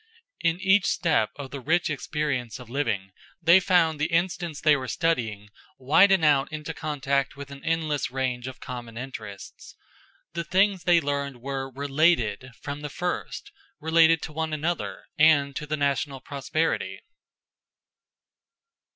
In each step of the rich experience of living, they found the instance they were studying widen out into contact with an endless range of common interests. The things they learned were related, from the first; related to one another, and to the national prosperity.